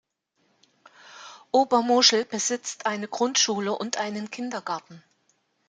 Obermoschel besitzt eine Grundschule und einen Kindergarten.